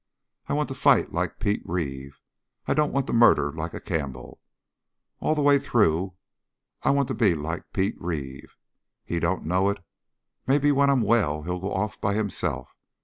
I want to fight, like Pete Reeve. I don't want to murder like a Campbell! All the way through, I want to be like Pete Reeve. He don't know it. Maybe when I'm well he'll go off by himself.